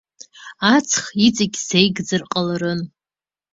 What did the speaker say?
Аҵх иҵегь сеигӡар ҟаларын.